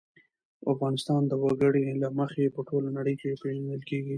افغانستان د وګړي له مخې په ټوله نړۍ کې پېژندل کېږي.